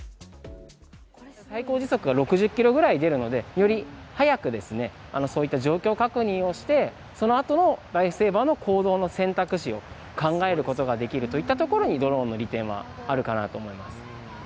最高時速が６０キロぐらい出るので、より早くそういった状況確認をして、そのあとのライフセーバーの行動の選択肢を考えることができるといったところに、ドローンの利点はあるかなと思います。